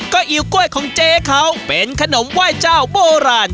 ก็อิ๋วกล้วยของเจ๊เขาเป็นขนมไหว้เจ้าโบราณ